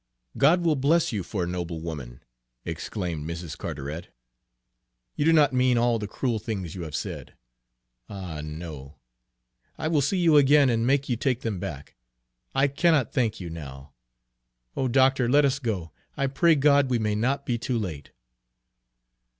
"God will bless you for a noble woman!" exclaimed Mrs. Carteret. "You do not mean all the cruel things you have said, ah, no! I will see you again, and make you take them back; I cannot thank you now! Oh, doctor, let us go! I pray God we may not be too late!"